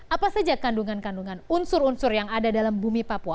apa saja kandungan kandungan unsur unsur yang ada dalam bumi papua